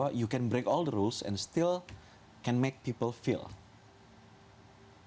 anda bisa membatalkan semua peraturan dan masih bisa membuat orang merasa